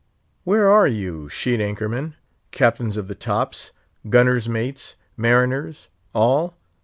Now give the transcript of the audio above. Where are you, sheet anchor men! Captains of the tops! gunner's mates! mariners, all!